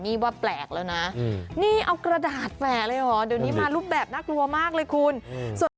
นี่ว่าแปลกแล้วนะนี่เอากระดาษแฝเลยเหรอเดี๋ยวนี้มารูปแบบน่ากลัวมากเลยคุณส่วน